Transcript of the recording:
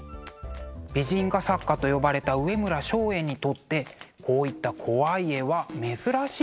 美人画作家と呼ばれた上村松園にとってこういった怖い絵は珍しいのだそう。